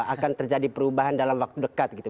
akan terjadi perubahan dalam waktu dekat gitu